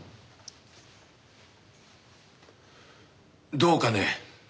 どうかね？